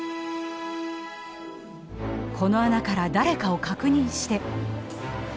この穴から誰かを確認して。